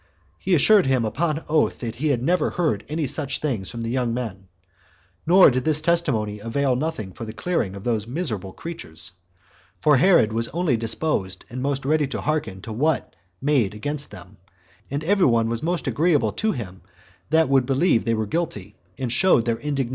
He assured him upon oath that he had never heard any such things from the young men; yet did this testimony avail nothing for the clearing those miserable creatures; for Herod was only disposed and most ready to hearken to what made against them, and every one was most agreeable to him that would believe they were guilty, and showed their indignation at them.